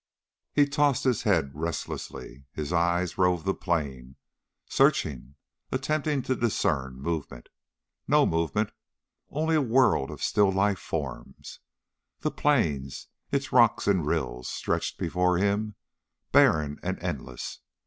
He tossed his head restlessly. His eyes roved the plain, searching, attempting to discern movement. No movement only a world of still life forms. The plain its rocks and rills stretched before him, barren and endless.